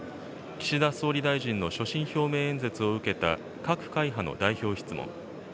岸田総理大臣の所信表明演説を受けた各会派の代表質問。